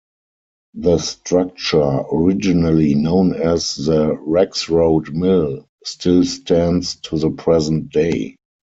The structure, originally known as the Rexrode Mill, still stands to the present day.